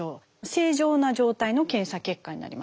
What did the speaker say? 正常な状態の検査結果になります。